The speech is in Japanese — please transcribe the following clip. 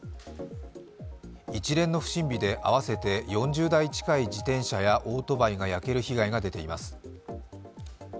一連の不審火で合わせて４０台近い自転車やオートバイが焼ける被害が出ています。